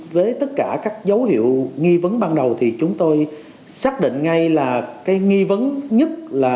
với tất cả các dấu hiệu nghi vấn ban đầu thì chúng tôi xác định ngay là cái nghi vấn nhất là